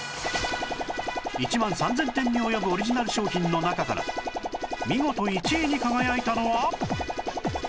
１万３０００点に及ぶオリジナル商品の中から見事１位に輝いたのは